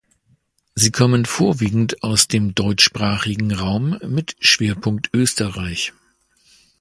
Sie kommen vorwiegend aus dem deutschsprachigen Raum mit Schwerpunkt Österreich.